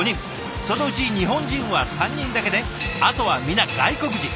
そのうち日本人は３人だけであとは皆外国人。